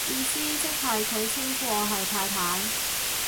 意思即係佢稱呼我係太太